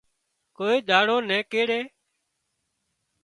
ڪوئي ۮاڙو نين ڪيڙي